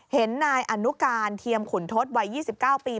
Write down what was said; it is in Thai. เห็นนายอนุการเทียมขุนทศวัย๒๙ปี